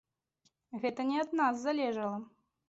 Гэта не ад нас залежала.